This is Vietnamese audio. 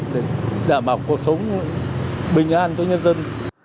để đảm bảo cuộc sống bình an cho nhân dân